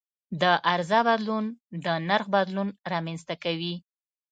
د عرضه بدلون د نرخ بدلون رامنځته کوي.